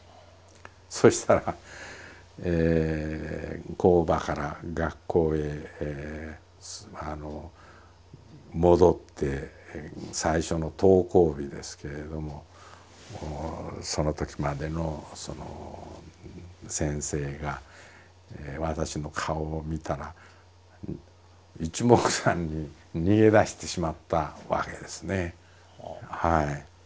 そしたら工場から学校へ戻って最初の登校日ですけれどももうそのときまでの先生が私の顔を見たら一目散に逃げ出してしまったわけですね。